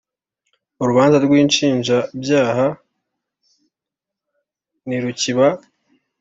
Urubanza rw ‘inshinjabyaha ntirukiba.